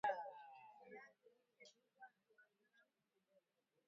Kiazi lishe ukubwa wa gram ishirini